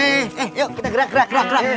eh yuk kita gerak gerak gerak